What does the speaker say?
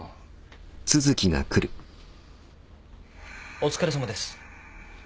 お疲れさまです。